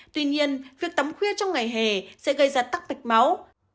tuy nhiên việc tắm khuya trong ngày hè sẽ gây ra tắc mạch máu